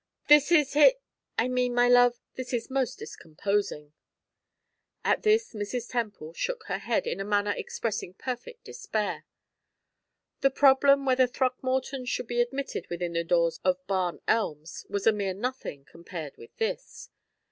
"This is he I mean, my love, this is most discomposing." At this Mrs. Temple shook her head in a manner expressing perfect despair. The problem whether Throckmorton should be admitted within the doors of Barn Elms was a mere nothing compared with this.